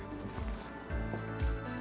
alat yang bisa diperlukan oleh bnpb adalah